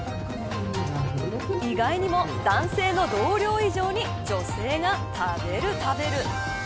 意外にも男性の同僚以上に女性が食べる、食べる。